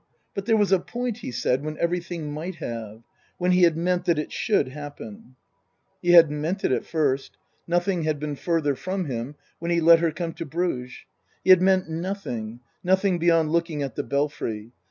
But there was a point, he said, when everything might have. When he had meant that it should happen. He hadn't meant it at first. Nothing had been further from him when he let her come to Bruges. He had meant nothing nothing beyond looking at the Belfry.